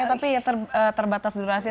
tapi terbatas durasi